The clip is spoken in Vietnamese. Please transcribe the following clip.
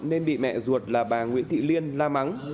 nên bị mẹ ruột là bà nguyễn thị liên la mắng